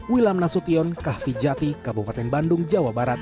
wilam nasution kahvi jati kabupaten bandung jawa barat